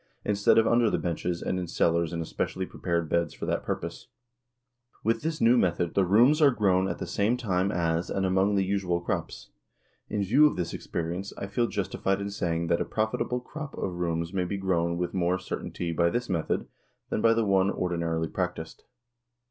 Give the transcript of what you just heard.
instead of under the benches and in cellars in especially prepared beds for that purpose. With this new method the 'rooms are grown at the same time as and among the usual crops. In view of the experience I feel justified in saying that a profitable crop of 'rooms may be grown with more certainty by this method than by the one ordinarily practiced.